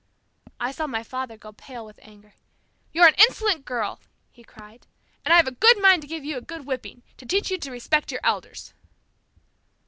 '" I saw my father go pale with anger. "You're an insolent girl!" he cried. "And I have a good mind to give you a good whipping, to teach you to respect your elders."